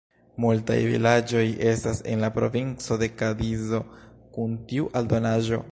Multaj vilaĝoj estas en la Provinco de Kadizo kun tiu aldonaĵo.